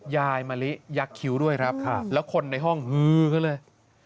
ยายมะลิยักษ์คิ้วด้วยครับแล้วคนในห้องฮือกันเลย